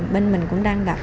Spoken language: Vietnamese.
bên mình cũng đang gặp